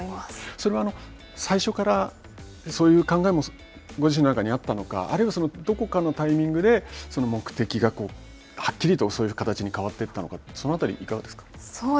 それは最初からそういう考えもご自身の中にあったのかあるいはどこかのタイミングで目的がはっきりとそういう形に変わっていったのか、その辺りはいかがですか。